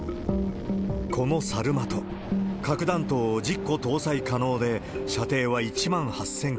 このサルマト、核弾頭を１０個搭載可能で、射程は１万８０００キロ。